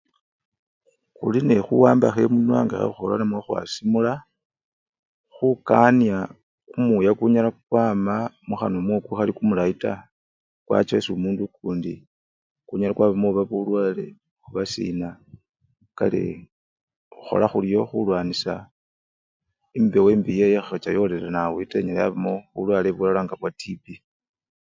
Khuli nekhuwambakho emunwa nga khekhukholola namwe khekhwasimula khukania kumuya kunyala kwama mukhanwa mwowo kukhali kumulayi taa kwacha esi omundu okundi kunyala kwabamo oba bulwale obasina kalee khukhola khulyo khuba khulwanisya embewo embi eyeyo ekhacha yolela nawoyu taa, enyala yabamo bulwale bulala nga bwa TB.